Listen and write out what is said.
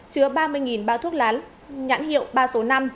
chứa ba mươi bao thuốc lá nhãn hiệu ba số năm